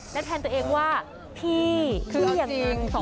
และแทนตัวเองว่าพี่พี่อย่างนั้นพี่อย่างนี้